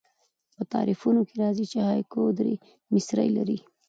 په تعریفونو کښي راځي، چي هایکو درې مصرۍ لري.